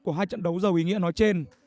của hai trận đấu giàu ý nghĩa nói trên